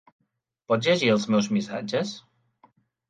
Pots llegir els meus missatges?